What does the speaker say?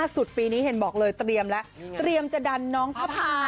สุดปีนี้เตรียมแล้วเตรียมจะดันน้องประอาภาฯ